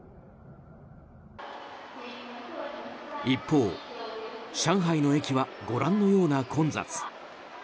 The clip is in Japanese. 一方、上海の駅はご覧のような混雑。